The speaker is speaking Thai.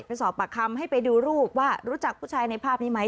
ไปสอบปากคำให้ไปดูรูปว่ารู้จักผู้ชายในภาพนี้ไหม